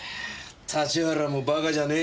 立原もバカじゃねえ。